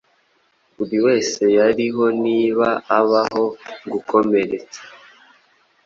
Buri wese yariho niba abaho Gukomeretsa